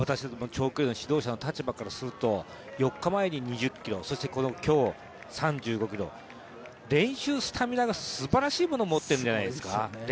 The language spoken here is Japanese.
私ども長距離の指導者の立場からすると、４日前に２０ｋｍ、そして今日３５ｋｍ練習、スタミナがすばらしいものをもっているんじゃないですか。